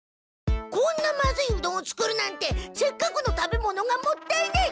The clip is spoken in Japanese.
こんなまずいうどんを作るなんてせっかくの食べ物がもったいない！